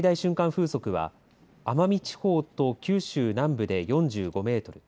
風速は奄美地方と九州南部で４５メートル